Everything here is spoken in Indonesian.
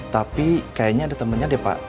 tapi kayaknya ada temennya deh pak